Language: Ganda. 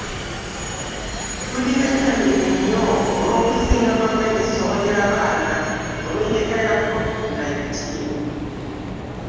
Tuli bennyamivu nnyo olw'okuzingama kw'emisomo gy'abaana olw'enjega ya covid nineteen.